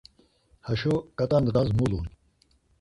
Haşo ǩat̆a ndğas mulun.